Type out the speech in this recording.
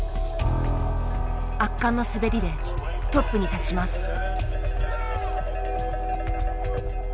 圧巻の滑りでトップに立ちます。